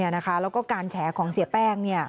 แล้วก็การแฉของเสียแป้ง